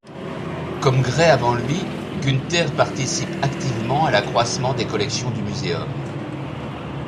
Comme Gray avant lui, Günther participe activement à l'accroissement des collections du muséum.